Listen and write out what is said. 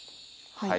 はい。